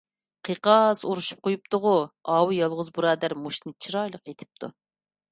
قىقاس ئۇرۇشۇپ قويۇپتۇغۇ. ئاۋۇ يالغۇز بۇرادەر مۇشتنى چىرايلىق ئېتىپتۇ.